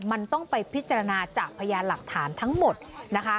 มันต้องไปพิจารณาจากพยานหลักฐานทั้งหมดนะคะ